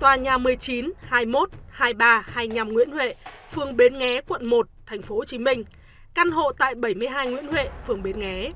tòa nhà một mươi chín hai mươi một hai mươi ba hai mươi năm nguyễn huệ phường bến nghé quận một tp hcm căn hộ tại bảy mươi hai nguyễn huệ phường bến nghé